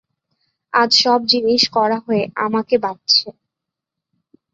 আজ সব জিনিস কড়া হয়ে আমাকে বাজছে।